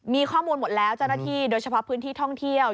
มีข้อมูลหมดแล้วเจ้าหน้าที่โดยเฉพาะพื้นที่ท่องเที่ยว